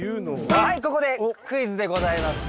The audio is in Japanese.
はいここでクイズでございます。